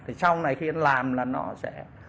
thì sau này khi anh làm là nó sẽ